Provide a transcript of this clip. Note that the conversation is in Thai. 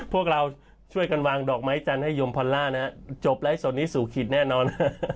พวกเราช่วยกันวางดอกไม้จันทร์ให้ยมพันธุ์ล่านั้นจบแล้วให้ส่วนนี้สูขีดแน่นอน